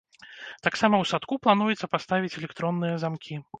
Таксама ў садку плануецца паставіць электронныя замкі.